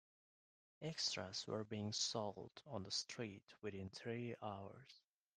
Extras were being sold on the street within three hours.